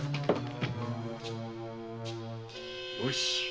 よし。